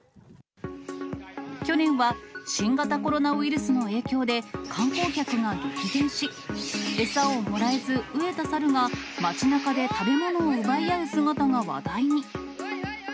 去年は、新型コロナウイルスの影響で、観光客が激減し、餌をもらえず、飢えた猿が街なかで食べ物を奪い合う姿が話題に。